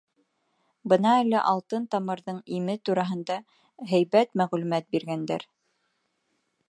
Бына әле алтын тамырҙың име тураһында һәйбәт мәғлүмәт биргәндәр.